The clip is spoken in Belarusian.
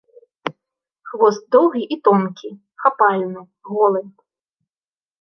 Хвост доўгі і тонкі, хапальны, голы.